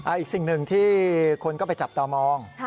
อีกสิ่งหนึ่งที่คนก็ไปจับตามอง